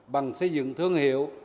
bằng xây dựng thương hiệu